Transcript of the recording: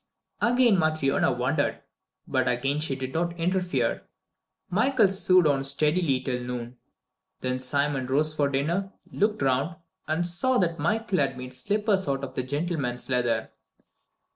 Again Matryona wondered, but again she did not interfere. Michael sewed on steadily till noon. Then Simon rose for dinner, looked around, and saw that Michael had made slippers out of the gentleman's leather.